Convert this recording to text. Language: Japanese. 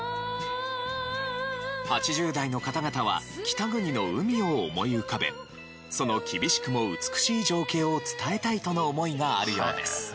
８０代の方々は北国の海を思い浮かべその厳しくも美しい情景を伝えたいとの思いがあるようです。